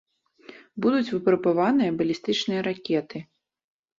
Будуць выпрабаваныя балістычныя ракеты.